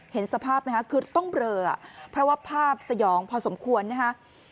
เห็นสภาพไหมคะคือต้องเบลอเพราะว่าภาพสยองพอสมควรนะฮะ